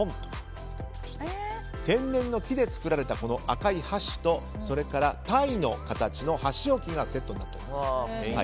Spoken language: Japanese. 天然の木で作られた赤い箸とそれから、タイの形の箸置きがセットになっております。